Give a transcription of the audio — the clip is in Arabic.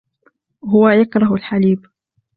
هو يكره الحليب.